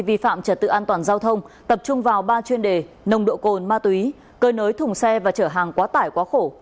vi phạm trật tự an toàn giao thông tập trung vào ba chuyên đề nồng độ cồn ma túy cơi nới thùng xe và chở hàng quá tải quá khổ